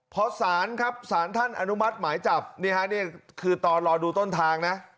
พอสารครับสารท่านอนุมัติหมายจับนี่ฮะนี่คือตอนรอดูต้นทางนะ